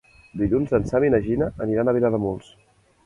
Dilluns en Sam i na Gina aniran a Vilademuls.